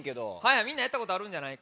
みんなやったことあるんじゃないか？